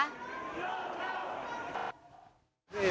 ๓นี่๓๗